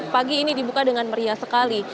pagi ini dibuka dengan meriah sekali